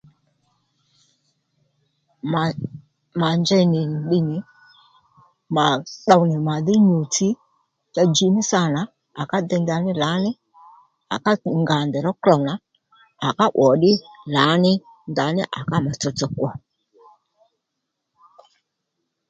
Mà mà njey nì ddiy nì mà tdow nì màdhí nyû-tsi cha dji mí sâ nà à ká dey ndaní lǎní à ká ngà ndèy ró klôw nà à ká 'wò ddí lǎní ndaní à ká mà tsotso kwo